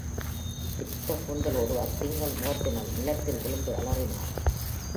விரித்த கூந்தலோடு அத் திங்கள் முகத்தினள் நிலத்தில் விழுந்து அலறினாள்.